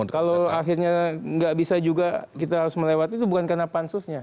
kalau akhirnya nggak bisa juga kita harus melewati itu bukan karena pansusnya